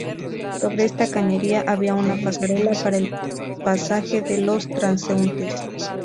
Sobre esta cañería, había una pasarela para el pasaje de los transeúntes.